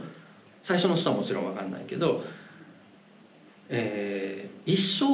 最初の人はもちろん分かんないけど。